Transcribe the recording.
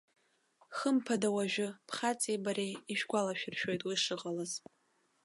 Хымԥада уажәы, бхаҵеи бареи, ишәгәалашәыршәоит уи шыҟалаз.